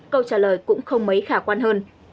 câu trả lời cũng không mấy khả quan hơn